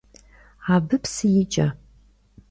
Абы псы икӀэ.